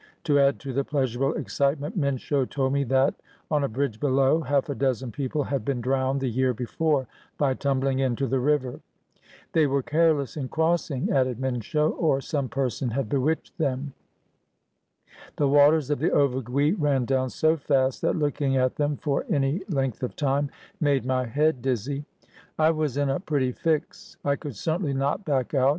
To add to the pleasurable excitement, Minsho told me that, on a bridge below, half a dozen people had been drowned the year before by tumbling into the river. "They were careless in crossing," added Minsho, "or some person had bewitched them." The waters of the Ovigui ran down so fast that looking at them for any 424 CROSSING AN AFRICAN BRIDGE length of time made my head dizzy. I was in a pretty fix. I could certainly not back out.